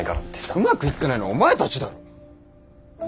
うまくいってないのはお前たちだろ。